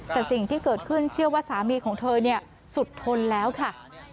แต่สิ่งที่เกิดขึ้นเชื่อว่าสามีของเธอสุดทนแล้วค่ะ